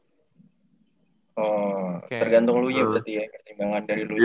dan ini juga udah mulai harus ada semester sih